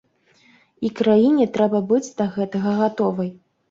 І краіне трэба быць да гэтага гатовай.